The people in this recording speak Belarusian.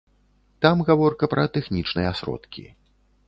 Там гаворка пра тэхнічныя сродкі.